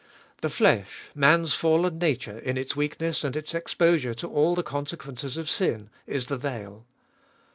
The flesh, man's fallen nature in its weakness and its exposure to all the consequences of sin, is the veil.